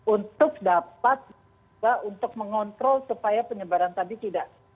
untuk dapat untuk mengontrol supaya penyebaran tadi tidak